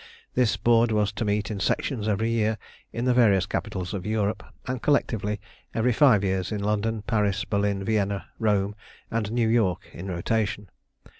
This Board was to meet in sections every year in the various capitals of Europe, and collectively every five years in London, Paris, Berlin, Vienna, Rome, and New York in rotation.